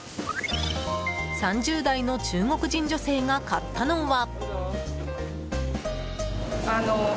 ３０代の中国人女性が買ったのは。